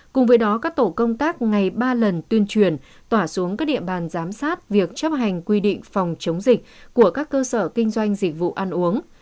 cùng với đó các tổ công tác ngày ba lần tuyên truyền tỏa xuống các địa bàn giám sát việc chấp hành quy định phòng chống dịch của các cơ sở kinh doanh dịch vụ ăn uống